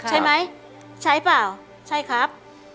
ใช่ไหมใช้เปล่าใช่ครับ